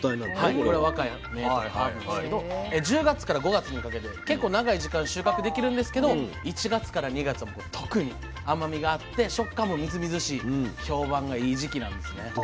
はいこれ若い芽と葉なんですけど１０月から５月にかけて結構長い時間収穫できるんですけど１月から２月が特に甘みがあって食感もみずみずしい評判がいい時期なんですね。